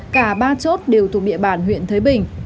cả ba chốt đều thuộc địa bàn huyện thới bình